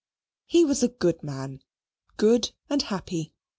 He was a good man; good and happy.